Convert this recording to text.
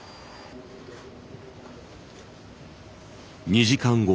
２時間後。